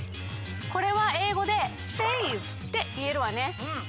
これは英語で「ｆａｖｅ」っていえるわね。